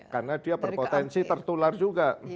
karena dia berpotensi tertular juga